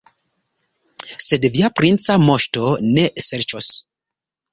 Sed via princa moŝto ne serĉos.